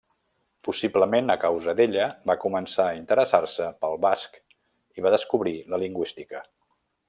Possiblement a causa d'ella va començar a interessar-se pel basc i va descobrir la Lingüística.